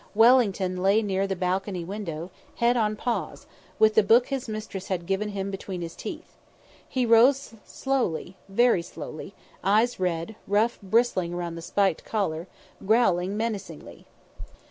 Wellington lay near the balcony window, head on paws, with the book his mistress had given him between his teeth. He rose slowly, very slowly, eyes red, ruff bristling round the spiked collar, growling menacingly.